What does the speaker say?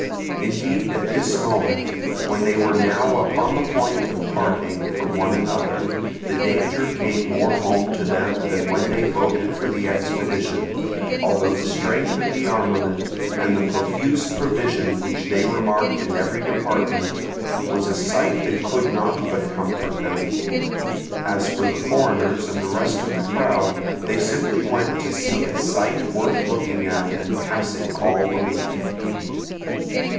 Indeed, at this moment, when they were now upon the point of parting from one another, the danger came more home to them than when they voted for the expedition; although the strength of the armament, and the profuse provision which they remarked in every department, was a sight that could not but comfort them. As for the foreigners and the rest of the crowd, they simply went to see a sight worth looking at and passing all belief.